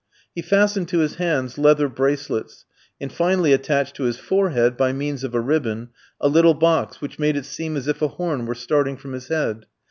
He fastened to his hands leather bracelets, and finally attached to his forehead, by means of a ribbon, a little box, which made it seem as if a horn were starting from his head.